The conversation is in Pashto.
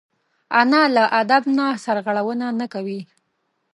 انا له ادب نه سرغړونه نه کوي